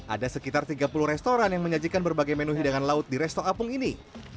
ada sekitar tiga puluh restoran yang menyajikan berbagai menu hidangan laut di resto apung ini